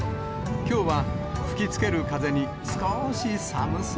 きょうは、吹きつける風にすこーし寒そう。